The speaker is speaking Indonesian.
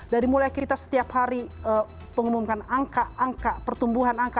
dari mulai kita setiap hari pengumumkan angka angka pertumbuhan angka